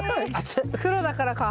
黒だからか。